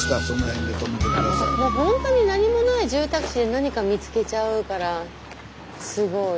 もうほんとに何もない住宅地で何か見つけちゃうからすごい。